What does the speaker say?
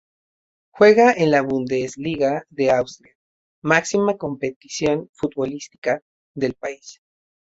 Juega en la Bundesliga de Austria, máxima competición futbolística del país.